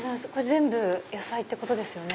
全部野菜ってことですよね。